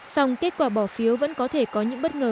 song kết quả bỏ phiếu vẫn có thể có những bất ngờ